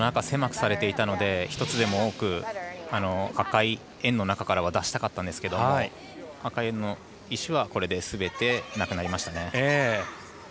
狭くされていたので１つでも多く赤い円の中から出したかったんですけども円の中の赤はこれですべてなくなりましたね。